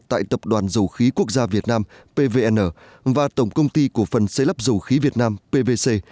tại tập đoàn dầu khí quốc gia việt nam pvn và tổng công ty cổ phần xây lắp dầu khí việt nam pvc